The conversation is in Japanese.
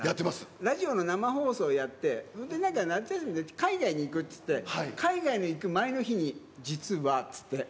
ラジオの生放送をやって、それでなんか、夏休みで海外に行くっつって、海外に行く前の日に、実はつって。